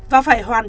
và phải hoàn trọng